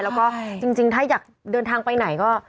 แล้วก็จริงถ้าอยากเดินทางไปไหนก็